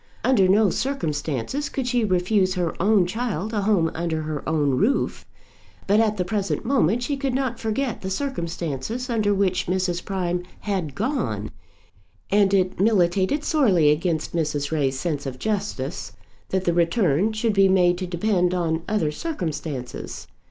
Under no circumstances could she refuse her own child a home under her own roof. But at the present moment she could not forget the circumstances under which Mrs. Prime had gone, and it militated sorely against Mrs. Ray's sense of justice that the return should be made to depend on other circumstances.